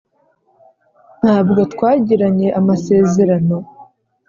"ntabwo twagiranye amasezerano?"